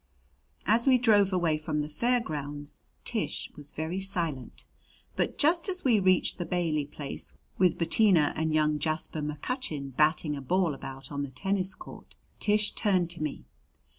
As we drove away from the fair grounds Tish was very silent; but just as we reached the Bailey place, with Bettina and young Jasper McCutcheon batting a ball about on the tennis court, Tish turned to me.